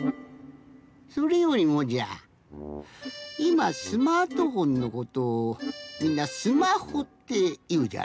それよりもじゃいまスマートフォンのことをみんな「スマホ」っていうじゃろ。